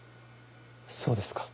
そうですか。